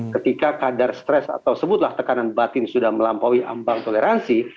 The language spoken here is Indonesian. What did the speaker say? ketika kadar stres atau sebutlah tekanan batin sudah melampaui ambang toleransi